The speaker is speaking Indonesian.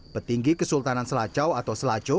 petinggi kesultanan selacau atau selaco